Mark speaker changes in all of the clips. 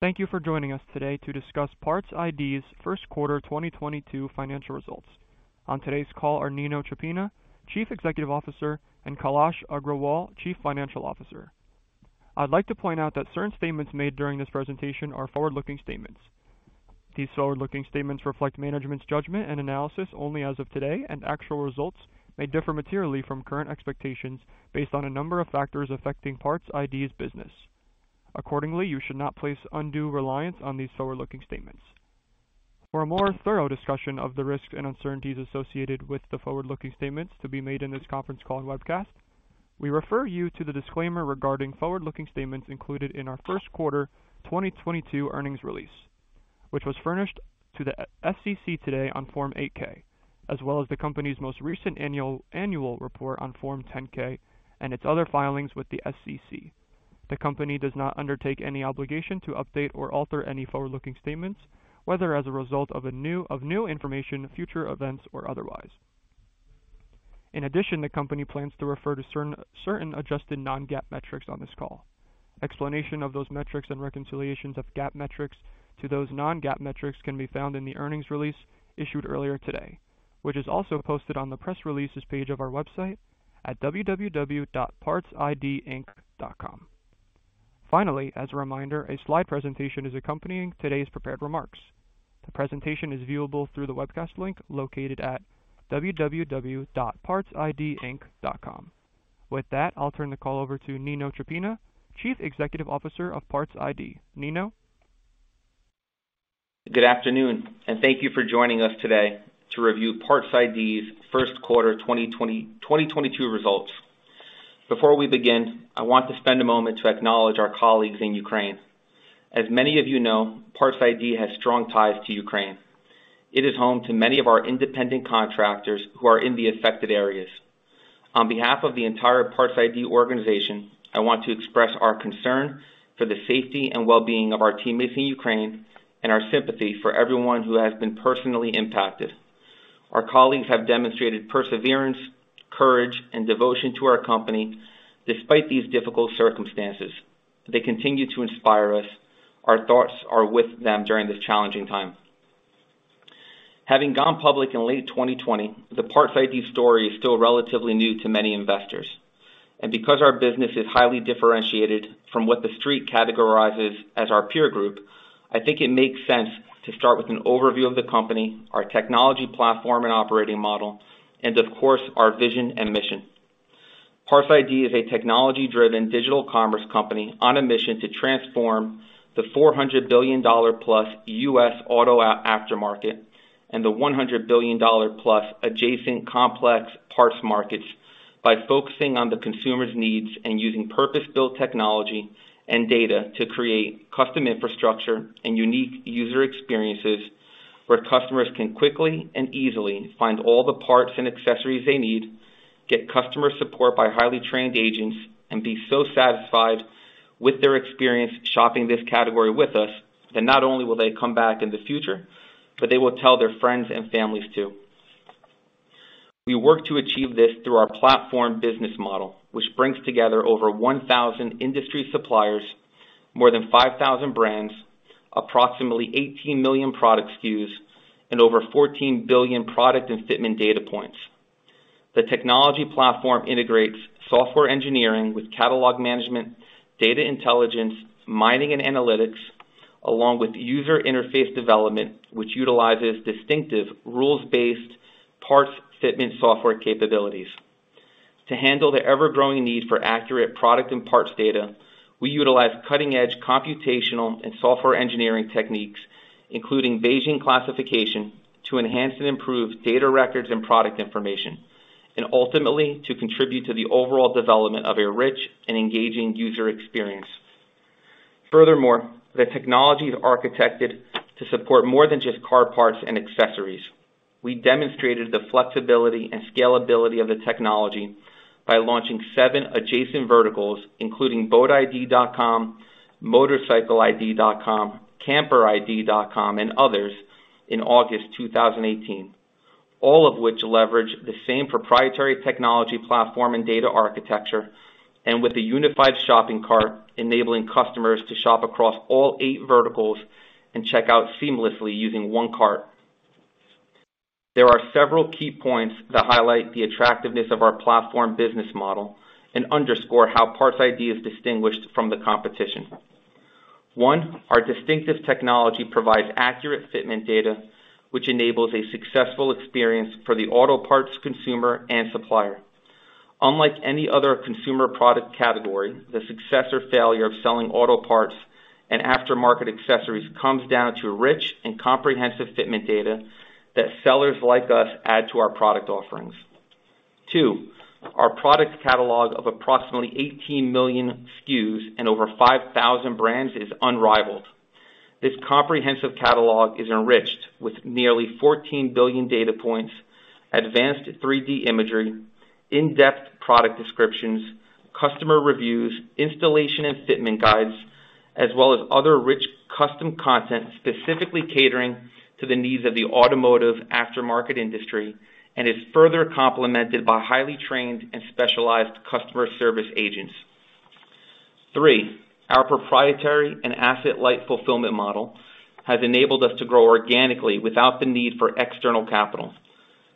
Speaker 1: Thank you for joining us today to discuss PARTS iD's first quarter 2022 financial results. On today's call are Nino Ciappina, Chief Executive Officer, and Kailas Agrawal, Chief Financial Officer. I'd like to point out that certain statements made during this presentation are forward-looking statements. These forward-looking statements reflect management's judgment and analysis only as of today, and actual results may differ materially from current expectations based on a number of factors affecting PARTS iD's business. Accordingly, you should not place undue reliance on these forward-looking statements. For a more thorough discussion of the risks and uncertainties associated with the forward-looking statements to be made in this conference call and webcast, we refer you to the disclaimer regarding forward-looking statements included in our first quarter 2022 earnings release, which was furnished to the SEC today on Form 8-K, as well as the company's most recent annual report on Form 10-K and its other filings with the SEC. The company does not undertake any obligation to update or alter any forward-looking statements, whether as a result of new information, future events, or otherwise. In addition, the company plans to refer to certain adjusted non-GAAP metrics on this call. Explanation of those metrics and reconciliations of GAAP metrics to those non-GAAP metrics can be found in the earnings release issued earlier today, which is also posted on the Press Releases page of our website at www.partsidinc.com. Finally, as a reminder, a slide presentation is accompanying today's prepared remarks. The presentation is viewable through the webcast link located at www.partsidinc.com. With that, I'll turn the call over to Nino Ciappina, Chief Executive Officer of PARTS iD. Nino.
Speaker 2: Good afternoon, and thank you for joining us today to review PARTS iD's first quarter 2022 results. Before we begin, I want to spend a moment to acknowledge our colleagues in Ukraine. As many of you know, PARTS iD has strong ties to Ukraine. It is home to many of our independent contractors who are in the affected areas. On behalf of the entire PARTS iD organization, I want to express our concern for the safety and well-being of our teammates in Ukraine and our sympathy for everyone who has been personally impacted. Our colleagues have demonstrated perseverance, courage, and devotion to our company despite these difficult circumstances. They continue to inspire us. Our thoughts are with them during this challenging time. Having gone public in late 2020, the PARTS iD story is still relatively new to many investors. Because our business is highly differentiated from what the street categorizes as our peer group, I think it makes sense to start with an overview of the company, our technology platform and operating model, and of course, our vision and mission. PARTS iD is a technology-driven digital commerce company on a mission to transform the $400 billion+ U.S. auto aftermarket and the $100 billion+ adjacent complex parts markets by focusing on the consumer's needs and using purpose-built technology and data to create custom infrastructure and unique user experiences, where customers can quickly and easily find all the parts and accessories they need, get customer support by highly trained agents, and be so satisfied with their experience shopping this category with us that not only will they come back in the future, but they will tell their friends and families too. We work to achieve this through our platform business model, which brings together over 1,000 industry suppliers, more than 5,000 brands, approximately 18 million product SKUs, and over 14 billion product and fitment data points. The technology platform integrates software engineering with catalog management, data intelligence, mining and analytics, along with user interface development, which utilizes distinctive rules-based parts fitment software capabilities. To handle the ever-growing need for accurate product and parts data, we utilize cutting-edge computational and software engineering techniques, including Bayesian classification, to enhance and improve data records and product information, and ultimately, to contribute to the overall development of a rich and engaging user experience. Furthermore, the technology is architected to support more than just car parts and accessories. We demonstrated the flexibility and scalability of the technology by launching seven adjacent verticals, including BOATiD.com, MOTORCYCLEiD.com, CAMPERiD.com, and others in August 2018, all of which leverage the same proprietary technology platform and data architecture, and with the unified shopping cart, enabling customers to shop across all eight verticals and check out seamlessly using one cart. There are several key points that highlight the attractiveness of our platform business model and underscore how PARTS iD is distinguished from the competition. One, our distinctive technology provides accurate fitment data, which enables a successful experience for the auto parts consumer and supplier. Unlike any other consumer product category, the success or failure of selling auto parts and aftermarket accessories comes down to rich and comprehensive fitment data that sellers like us add to our product offerings. Two, our product catalog of approximately 18 million SKUs and over 5,000 brands is unrivaled. This comprehensive catalog is enriched with nearly 14 billion data points, advanced 3D imagery, in-depth product descriptions, customer reviews, installation and fitment guides, as well as other rich custom content, specifically catering to the needs of the automotive aftermarket industry, and is further complemented by highly trained and specialized customer service agents. Three, our proprietary and asset-light fulfillment model has enabled us to grow organically without the need for external capital.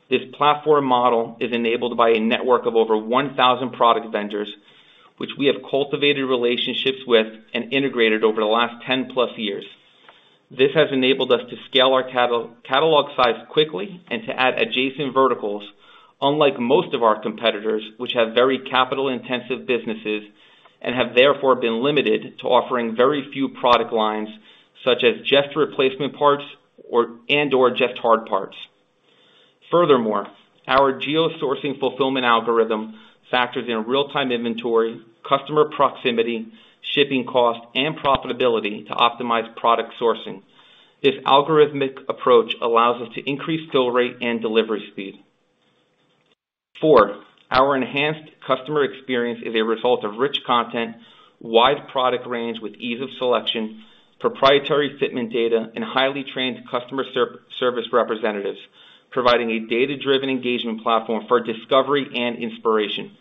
Speaker 2: This platform model is enabled by a network of over 1,000 product vendors, which we have cultivated relationships with and integrated over the last 10+ years. This has enabled us to scale our catalog size quickly and to add adjacent verticals, unlike most of our competitors, which have very capital intensive businesses and have therefore been limited to offering very few product lines, such as just replacement parts or just hard parts. Furthermore, our geo sourcing fulfillment algorithm factors in real-time inventory, customer proximity, shipping cost, and profitability to optimize product sourcing. This algorithmic approach allows us to increase fill rate and delivery speed. Four, our enhanced customer experience is a result of rich content, wide product range with ease of selection, proprietary fitment data, and highly trained customer service representatives, providing a data-driven engagement platform for discovery and inspiration.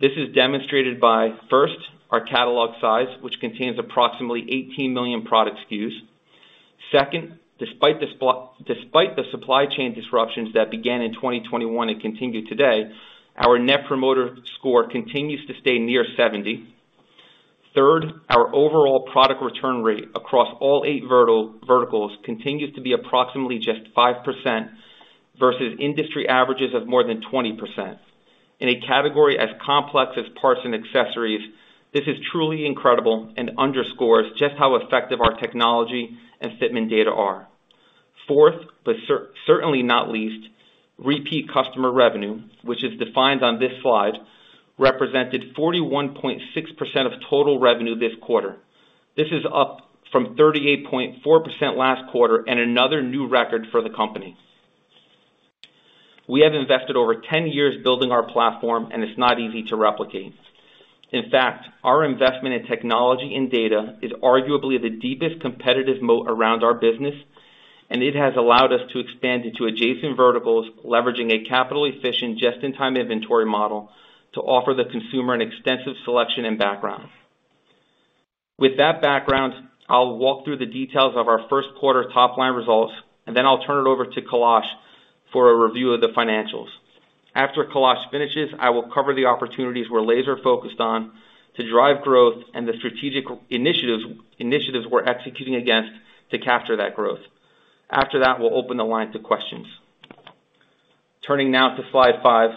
Speaker 2: This is demonstrated by first, our catalog size, which contains approximately 18 million product SKUs. Second, despite the supply chain disruptions that began in 2021 and continue today, our net promoter score continues to stay near 70. Third, our overall product return rate across all eight verticals continues to be approximately just 5% versus industry averages of more than 20%. In a category as complex as parts and accessories, this is truly incredible and underscores just how effective our technology and fitment data are. Fourth, but certainly not least, repeat customer revenue, which is defined on this slide, represented 41.6% of total revenue this quarter. This is up from 38.4% last quarter and another new record for the company. We have invested over 10 years building our platform, and it's not easy to replicate. In fact, our investment in technology and data is arguably the deepest competitive moat around our business, and it has allowed us to expand into adjacent verticals, leveraging a capital-efficient just-in-time inventory model to offer the consumer an extensive selection and background. With that background, I'll walk through the details of our first quarter top line results, and then I'll turn it over to Kailas for a review of the financials. After Kailas finishes, I will cover the opportunities we're laser-focused on to drive growth and the strategic initiatives we're executing against to capture that growth. After that, we'll open the line to questions. Turning now to slide five.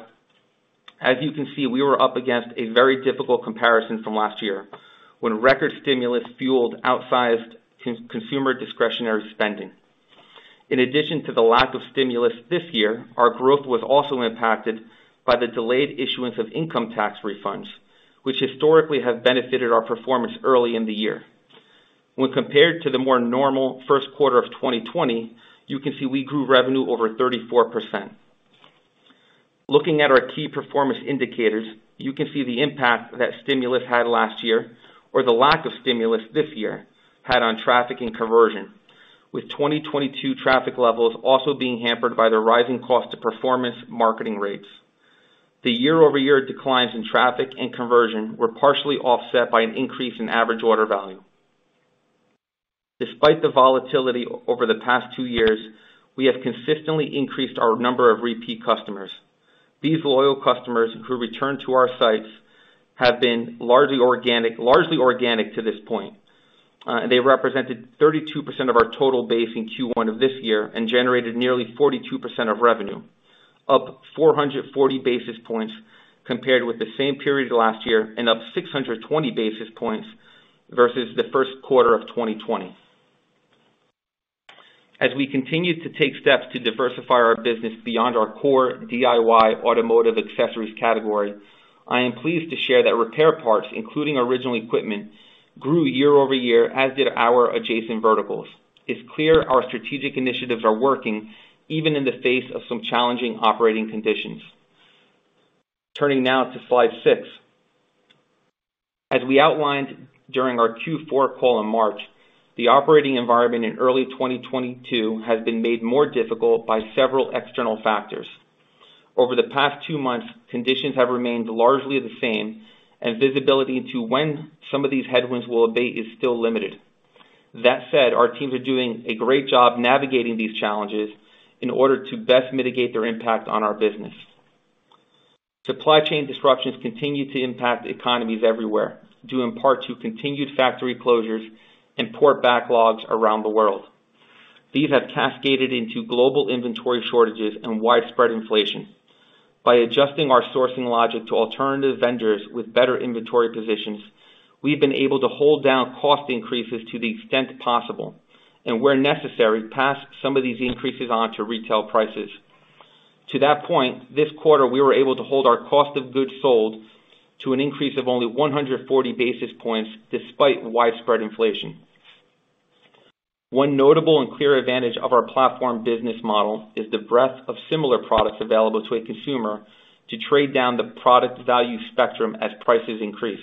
Speaker 2: As you can see, we were up against a very difficult comparison from last year when record stimulus fueled outsized consumer discretionary spending. In addition to the lack of stimulus this year, our growth was also impacted by the delayed issuance of income tax refunds, which historically have benefited our performance early in the year. When compared to the more normal first quarter of 2020, you can see we grew revenue over 34%. Looking at our key performance indicators, you can see the impact that stimulus had last year, or the lack of stimulus this year had on traffic and conversion, with 2022 traffic levels also being hampered by the rising cost of performance marketing rates. The year-over-year declines in traffic and conversion were partially offset by an increase in average order value. Despite the volatility over the past two years, we have consistently increased our number of repeat customers. These loyal customers who return to our sites have been largely organic to this point. They represented 32% of our total base in Q1 of this year and generated nearly 42% of revenue, up 440 basis points compared with the same period last year and up 620 basis points versus the first quarter of 2020. We continue to take steps to diversify our business beyond our core DIY automotive accessories category. I am pleased to share that repair parts, including original equipment, grew year-over-year, as did our adjacent verticals. It's clear our strategic initiatives are working even in the face of some challenging operating conditions. Turning now to slide six. We outlined during our Q4 call in March, the operating environment in early 2022 has been made more difficult by several external factors. Over the past two months, conditions have remained largely the same, and visibility into when some of these headwinds will abate is still limited. That said, our teams are doing a great job navigating these challenges in order to best mitigate their impact on our business. Supply chain disruptions continue to impact economies everywhere due in part to continued factory closures and port backlogs around the world. These have cascaded into global inventory shortages and widespread inflation. By adjusting our sourcing logic to alternative vendors with better inventory positions, we've been able to hold down cost increases to the extent possible and where necessary, pass some of these increases on to retail prices. To that point, this quarter, we were able to hold our cost of goods sold to an increase of only 140 basis points despite widespread inflation. One notable and clear advantage of our platform business model is the breadth of similar products available to a consumer to trade down the product value spectrum as prices increase.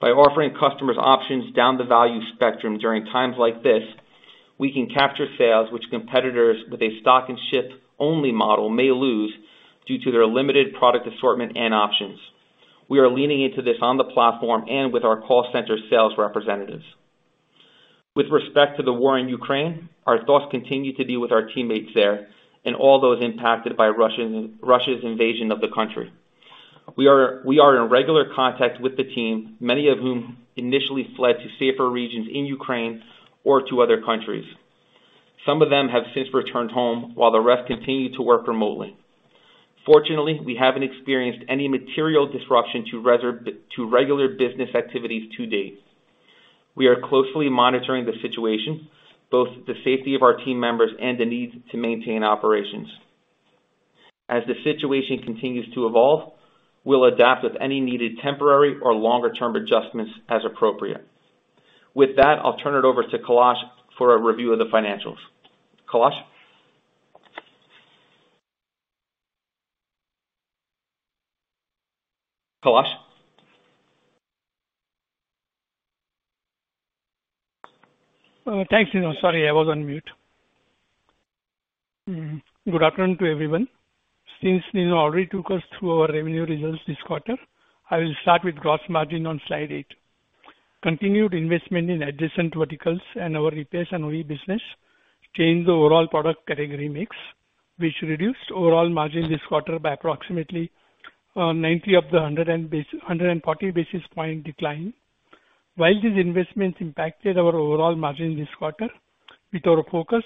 Speaker 2: By offering customers options down the value spectrum during times like this. We can capture sales which competitors with a stock and ship only model may lose due to their limited product assortment and options. We are leaning into this on the platform and with our call center sales representatives. With respect to the war in Ukraine, our thoughts continue to be with our teammates there and all those impacted by Russia's invasion of the country. We are in regular contact with the team, many of whom initially fled to safer regions in Ukraine or to other countries. Some of them have since returned home, while the rest continue to work remotely. Fortunately, we haven't experienced any material disruption to regular business activities to date. We are closely monitoring the situation, both the safety of our team members and the need to maintain operations. As the situation continues to evolve, we'll adapt with any needed temporary or longer-term adjustments as appropriate. With that, I'll turn it over to Kailas for a review of the financials. Kailas?
Speaker 3: Thanks, Nino. Sorry, I was on mute. Good afternoon to everyone. Since Nino already took us through our revenue results this quarter, I will start with gross margin on slide 8. Continued investment in adjacent verticals and our repairs and OE business changed the overall product category mix, which reduced overall margin this quarter by approximately 140 basis point decline. While these investments impacted our overall margin this quarter, with our focus,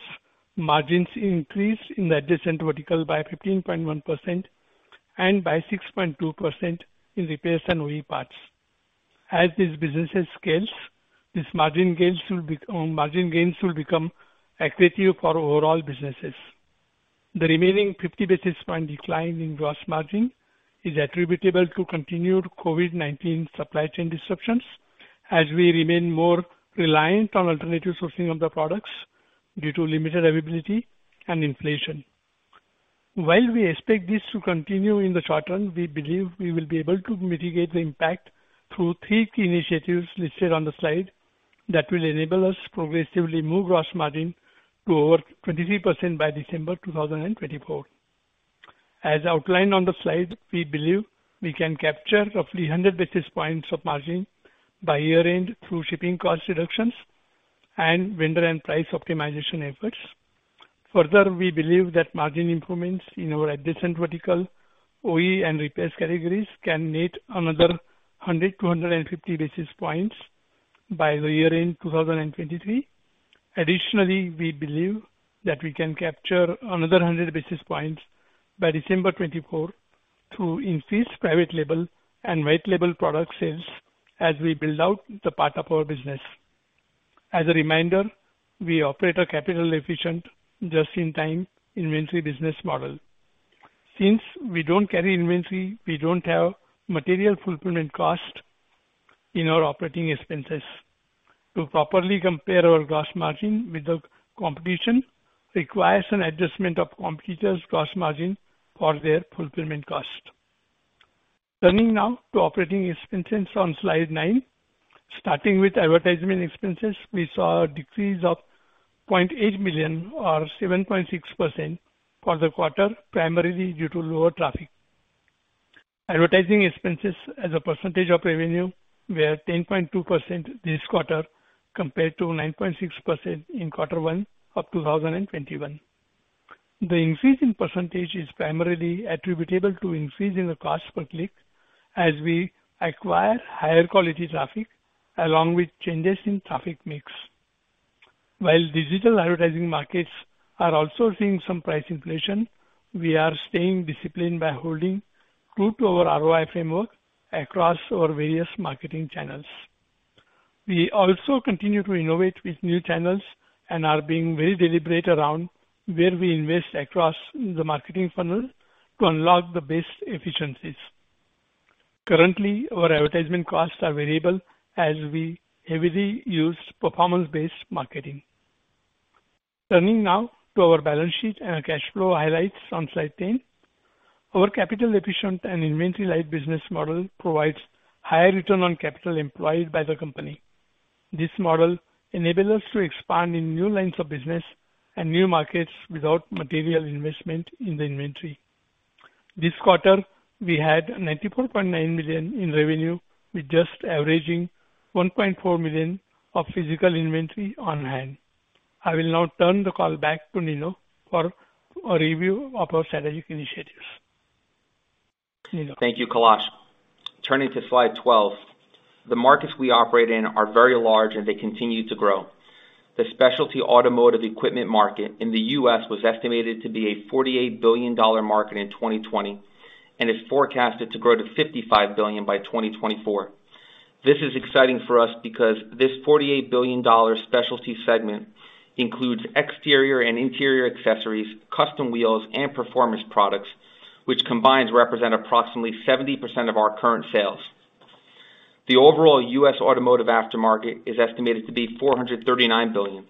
Speaker 3: margins increased in the adjacent vertical by 15.1% and by 6.2% in repairs and OE parts. As these businesses scales, these margin gains will become accretive for overall businesses. The remaining 50 basis points decline in gross margin is attributable to continued COVID-19 supply chain disruptions, as we remain more reliant on alternative sourcing of the products due to limited availability and inflation. While we expect this to continue in the short run, we believe we will be able to mitigate the impact through three key initiatives listed on the slide that will enable us to progressively move gross margin to over 23% by December 2024. As outlined on the slide, we believe we can capture roughly 100 basis points of margin by year-end through shipping cost reductions and vendor and price optimization efforts. Further, we believe that margin improvements in our adjacent vertical OE and repairs categories can net another 100 to 150 basis points by year-end 2023. We believe that we can capture another 100 basis points by December 2024 through increased private label and white label product sales as we build out the part of our business. As a reminder, we operate a capital efficient just-in-time inventory business model. Since we don't carry inventory, we don't have material fulfillment cost in our operating expenses. To properly compare our gross margin with the competition requires an adjustment of competitor's gross margin for their fulfillment cost. Turning now to operating expenses on slide 9. Starting with advertising expenses, we saw a decrease of $0.8 million or 7.6% for the quarter, primarily due to lower traffic. Advertising expenses as a percentage of revenue were 10.2% this quarter, compared to 9.6% in quarter one of 2021. The increase in percentage is primarily attributable to increase in the cost per click as we acquire higher quality traffic along with changes in traffic mix. While digital advertising markets are also seeing some price inflation, we are staying disciplined by holding true to our ROI framework across our various marketing channels. We also continue to innovate with new channels and are being very deliberate around where we invest across the marketing funnel to unlock the best efficiencies. Currently, our advertisement costs are variable as we heavily use performance-based marketing. Turning now to our balance sheet and our cash flow highlights on slide 10. Our capital efficient and inventory-light business model provides higher return on capital employed by the company. This model enable us to expand in new lines of business and new markets without material investment in the inventory. This quarter, we had $94.9 million in revenue, with just averaging $1.4 million of physical inventory on hand. I will now turn the call back to Nino for a review of our strategic initiatives. Nino.
Speaker 2: Thank you, Kailas. Turning to slide 12. The markets we operate in are very large, and they continue to grow. The specialty automotive equipment market in the U.S. was estimated to be a $48 billion market in 2020, and it's forecasted to grow to $55 billion by 2024. This is exciting for us because this $48 billion specialty segment includes exterior and interior accessories, custom wheels, and performance products, which combined represent approximately 70% of our current sales. The overall U.S. automotive aftermarket is estimated to be $439 billion.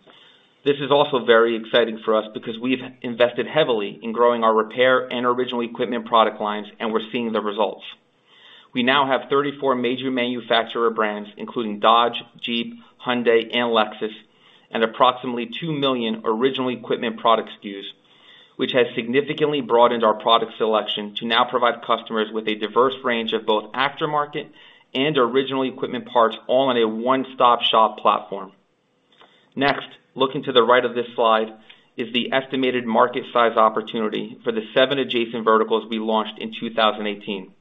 Speaker 2: This is also very exciting for us because we've invested heavily in growing our repair and original equipment product lines, and we're seeing the results. We now have 34 major manufacturer brands, including Dodge, Jeep, Hyundai and Lexus, and approximately 2 million original equipment product SKUs, which has significantly broadened our product selection to now provide customers with a diverse range of both aftermarket and original equipment parts, all in a one-stop shop platform. Next, looking to the right of this slide, is the estimated market size opportunity for the 7 adjacent verticals we launched in 2018.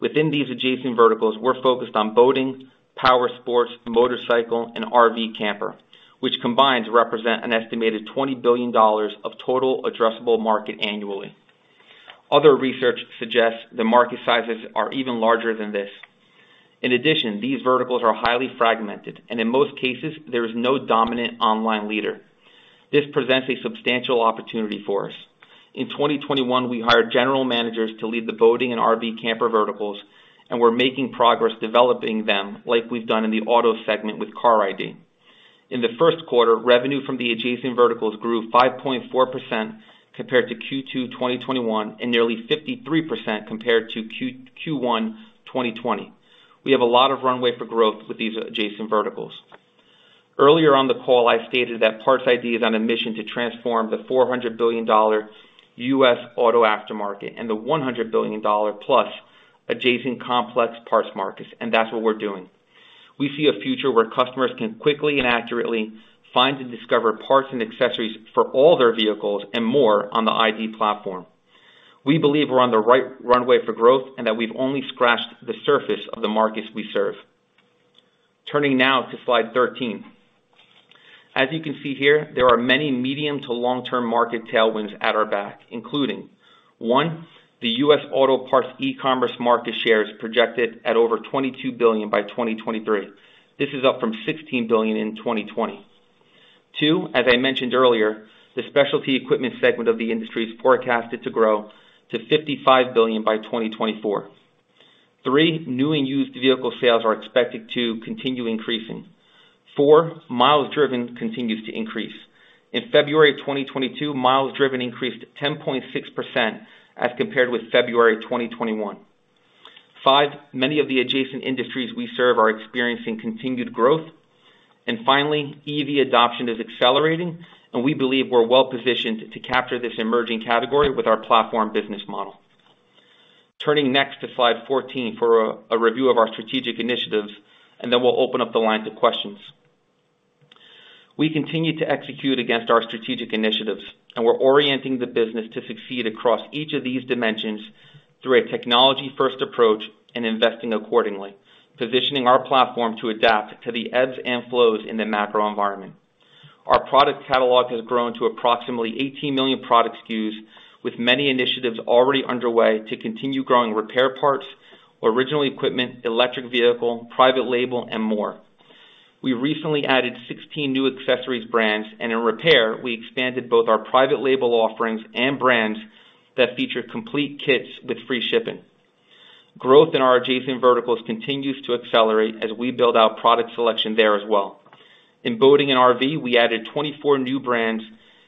Speaker 2: Within these adjacent verticals, we're focused on boating, power sports, motorcycle and RV camper, which combined represent an estimated $20 billion of total addressable market annually. Other research suggests the market sizes are even larger than this. In addition, these verticals are highly fragmented, and in most cases, there is no dominant online leader. This presents a substantial opportunity for us. In 2021, we hired general managers to lead the boating and RV camper verticals, and we're making progress developing them like we've done in the auto segment with CARiD. In the first quarter, revenue from the adjacent verticals grew 5.4% compared to Q2 2021 and nearly 53% compared to Q1 2020. We have a lot of runway for growth with these adjacent verticals. Earlier on the call, I stated that PARTS iD is on a mission to transform the $400 billion US auto aftermarket and the $100 billion-plus adjacent complex parts markets, and that's what we're doing. We see a future where customers can quickly and accurately find and discover parts and accessories for all their vehicles and more on the ID platform. We believe we're on the right runway for growth and that we've only scratched the surface of the markets we serve. Turning now to slide 13. As you can see here, there are many medium to long-term market tailwinds at our back, including, 1, the U.S. auto parts e-commerce market share is projected at over $22 billion by 2023. This is up from $16 billion in 2020. 2, as I mentioned earlier, the specialty equipment segment of the industry is forecasted to grow to $55 billion by 2024. 3, new and used vehicle sales are expected to continue increasing. 4, miles driven continues to increase. In February of 2022, miles driven increased 10.6% as compared with February of 2021. Fifth, many of the adjacent industries we serve are experiencing continued growth. Finally, EV adoption is accelerating, and we believe we're well-positioned to capture this emerging category with our platform business model. Turning next to slide 14 for a review of our strategic initiatives, and then we'll open up the line to questions. We continue to execute against our strategic initiatives, and we're orienting the business to succeed across each of these dimensions through a technology-first approach and investing accordingly, positioning our platform to adapt to the ebbs and flows in the macro environment. Our product catalog has grown to approximately 18 million product SKUs, with many initiatives already underway to continue growing repair parts, original equipment, electric vehicle, private label and more. We recently added 16 new accessories brands, and in repair, we expanded both our private label offerings and brands that feature complete kits with free shipping. Growth in our adjacent verticals continues to accelerate as we build out product selection there as well. In boating and RV, we added 24 new brands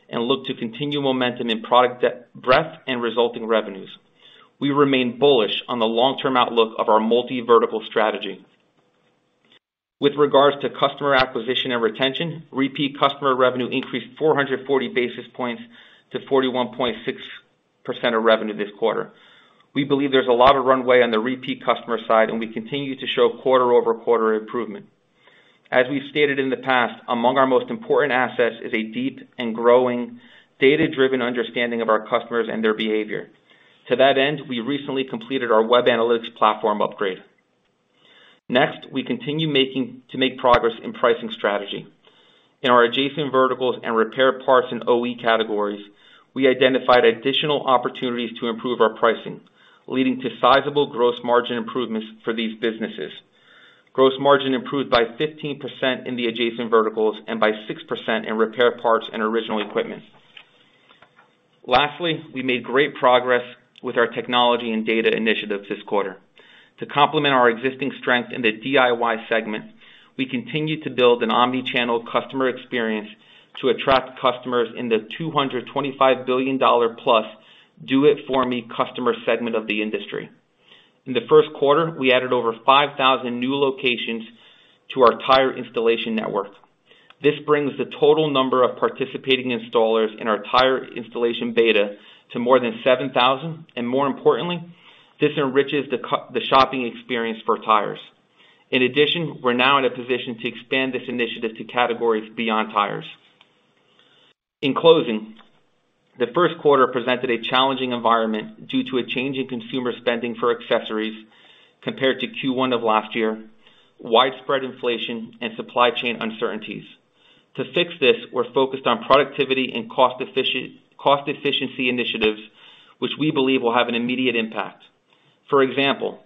Speaker 2: and look to continue momentum in product depth and breadth and resulting revenues. We remain bullish on the long-term outlook of our multi-vertical strategy. With regards to customer acquisition and retention, repeat customer revenue increased 440 basis points to 41.6% of revenue this quarter. We believe there's a lot of runway on the repeat customer side, and we continue to show quarter-over-quarter improvement. As we've stated in the past, among our most important assets is a deep and growing data-driven understanding of our customers and their behavior. To that end, we recently completed our web analytics platform upgrade. Next, we continue to make progress in pricing strategy. In our adjacent verticals and repair parts and OE categories, we identified additional opportunities to improve our pricing, leading to sizable gross margin improvements for these businesses. Gross margin improved by 15% in the adjacent verticals and by 6% in repair parts and original equipment. Lastly, we made great progress with our technology and data initiatives this quarter. To complement our existing strength in the DIY segment, we continue to build an omni-channel customer experience to attract customers in the $225 billion-plus "do it for me" customer segment of the industry. In the first quarter, we added over 5,000 new locations to our tire installation network. This brings the total number of participating installers in our tire installation beta to more than 7,000, and more importantly, this enriches the shopping experience for tires. In addition, we're now in a position to expand this initiative to categories beyond tires. In closing, the first quarter presented a challenging environment due to a change in consumer spending for accessories compared to Q1 of last year, widespread inflation and supply chain uncertainties. To fix this, we're focused on productivity and cost efficiency initiatives, which we believe will have an immediate impact. For example,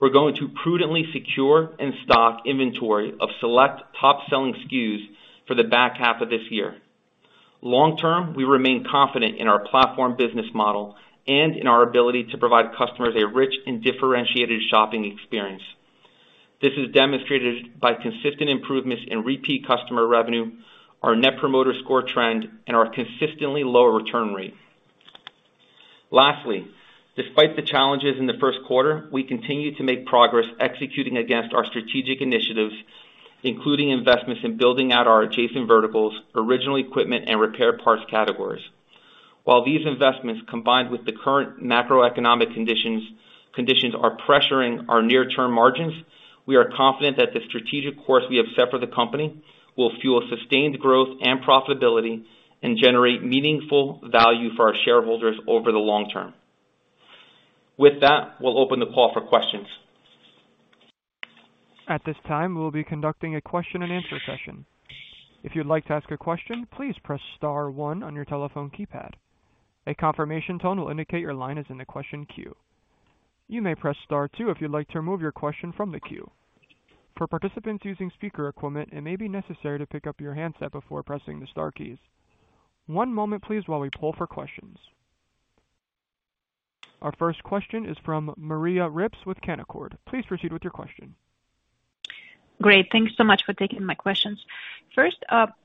Speaker 2: we're going to prudently secure and stock inventory of select top-selling SKUs for the back half of this year. Long-term, we remain confident in our platform business model and in our ability to provide customers a rich and differentiated shopping experience. This is demonstrated by consistent improvements in repeat customer revenue, our net promoter score trend, and our consistently lower return rate. Lastly, despite the challenges in the first quarter, we continue to make progress executing against our strategic initiatives, including investments in building out our adjacent verticals, original equipment and repair parts categories. While these investments, combined with the current macroeconomic conditions are pressuring our near-term margins, we are confident that the strategic course we have set for the company will fuel sustained growth and profitability and generate meaningful value for our shareholders over the long term. With that, we'll open the call for questions.
Speaker 1: At this time, we'll be conducting a question and answer session. If you'd like to ask a question, please press star one on your telephone keypad. A confirmation tone will indicate your line is in the question queue. You may press star two if you'd like to remove your question from the queue. For participants using speaker equipment, it may be necessary to pick up your handset before pressing the star keys. One moment please while we pull for questions. Our first question is from Maria Ripps with Canaccord. Please proceed with your question.
Speaker 4: Great, thanks so much for taking my questions. First,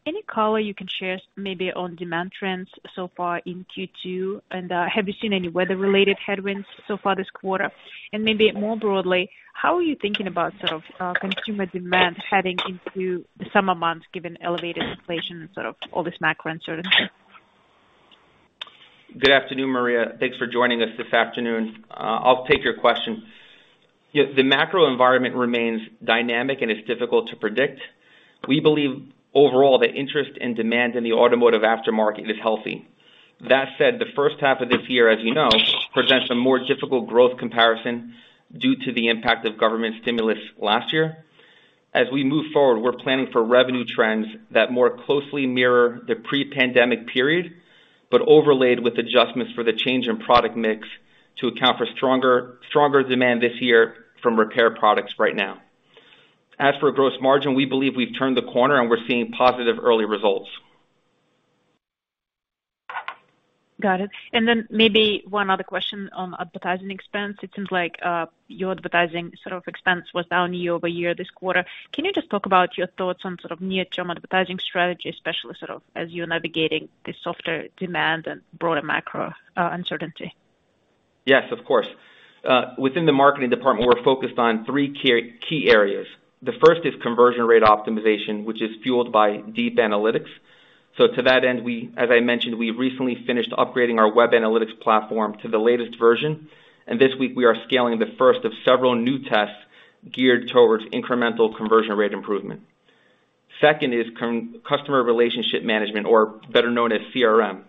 Speaker 4: any color you can share maybe on demand trends so far in Q2? Have you seen any weather-related headwinds so far this quarter? Maybe more broadly, how are you thinking about sort of, consumer demand heading into the summer months, given elevated inflation and sort of all this macro uncertainty?
Speaker 2: Good afternoon, Maria. Thanks for joining us this afternoon. I'll take your question. Yeah, the macro environment remains dynamic and it's difficult to predict. We believe overall the interest and demand in the automotive aftermarket is healthy. That said, the first half of this year, as you know, presents a more difficult growth comparison due to the impact of government stimulus last year. As we move forward, we're planning for revenue trends that more closely mirror the pre-pandemic period, but overlaid with adjustments for the change in product mix to account for stronger demand this year from repair products right now. As for gross margin, we believe we've turned the corner and we're seeing positive early results.
Speaker 4: Got it. Maybe one other question on advertising expense. It seems like, your advertising sort of expense was down year over year this quarter. Can you just talk about your thoughts on sort of near-term advertising strategy, especially sort of as you're navigating the softer demand and broader macro, uncertainty?
Speaker 2: Yes, of course. Within the marketing department, we're focused on three key areas. The first is conversion rate optimization, which is fueled by deep analytics. To that end, as I mentioned, we recently finished upgrading our web analytics platform to the latest version, and this week we are scaling the first of several new tests geared towards incremental conversion rate improvement. Second is customer relationship management or better known as CRM.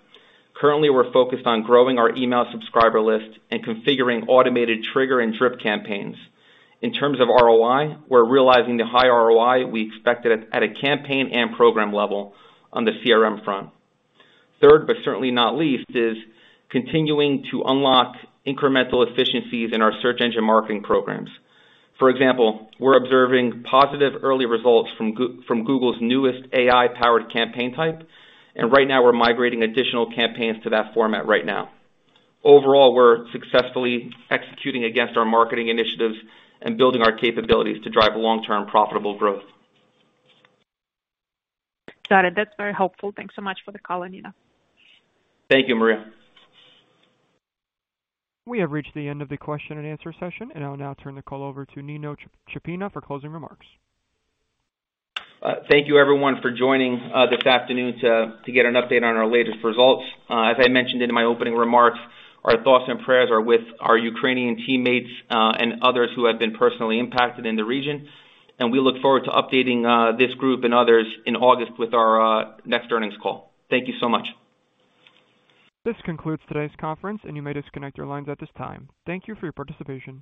Speaker 2: Currently, we're focused on growing our email subscriber list and configuring automated trigger and drip campaigns. In terms of ROI, we're realizing the high ROI we expected at a campaign and program level on the CRM front. Third, but certainly not least, is continuing to unlock incremental efficiencies in our search engine marketing programs. For example, we're observing positive early results from Google's newest AI-powered campaign type, and right now we're migrating additional campaigns to that format right now. Overall, we're successfully executing against our marketing initiatives and building our capabilities to drive long-term profitable growth.
Speaker 4: Got it. That's very helpful. Thanks so much for the color, Nino.
Speaker 2: Thank you, Maria Ripps.
Speaker 1: We have reached the end of the question and answer session, and I'll now turn the call over to Nino Ciappina for closing remarks.
Speaker 2: Thank you everyone for joining, this afternoon to get an update on our latest results. As I mentioned in my opening remarks, our thoughts and prayers are with our Ukrainian teammates, and others who have been personally impacted in the region, and we look forward to updating, this group and others in August with our, next earnings call. Thank you so much.
Speaker 1: This concludes today's conference, and you may disconnect your lines at this time. Thank you for your participation.